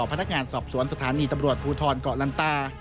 พนักงานสอบสวนสถานีตำรวจภูทรเกาะลันตา